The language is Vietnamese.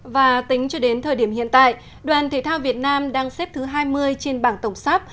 và tính cho đến thời điểm hiện tại đoàn thể thao việt nam đang xếp thứ hai mươi trên bảng tổng sắp